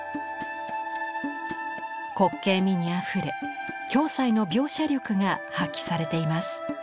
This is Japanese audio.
滑稽味にあふれ暁斎の描写力が発揮されています。